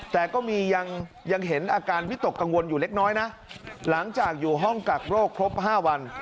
แต่ก็มียังเห็นอาการวิตกกังวลอยู่เล็กน้อยนะหลังจากอยู่ห้องกักโรคครบ๕วัน